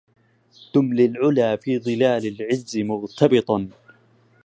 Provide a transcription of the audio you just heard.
دم للعلا في ظلال العز مغتبطا